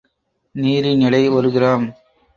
நீரின் எடை ஒரு கிராம்.